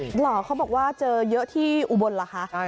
หรอเขาบอกว่าเจอเยอะที่อุบลเหรอคะ